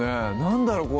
何だろう